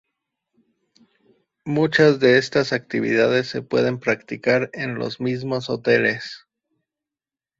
Muchas de estas actividades se pueden practicar en los mismos hoteles.